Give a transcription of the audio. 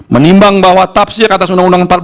menimbang bahwa tapsir atas undang undang